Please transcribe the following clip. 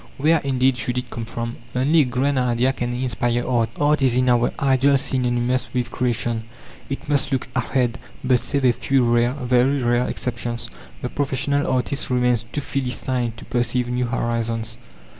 Where, indeed, should it come from? Only a grand idea can inspire art. Art is in our ideal synonymous with creation, it must look ahead; but save a few rare, very rare exceptions, the professional artist remains too philistine to perceive new horizons.